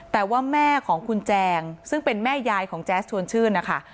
แต่ว่าแม่ของคุณแจงซึ่งเป็นแม่ยายของแจ๊สชวนชื่นนะคะ